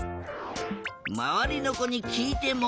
まわりのこにきいても。